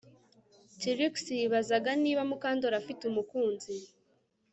Trix yibazaga niba Mukandoli afite umukunzi